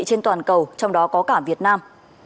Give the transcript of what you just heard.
trên toàn cầu trong đó có cả việt nam